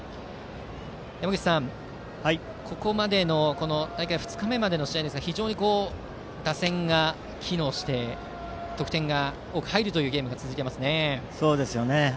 山口さん、ここまでの大会２日目までの試合ですが非常に打線が機能して得点が多く入るゲームが続いていますね。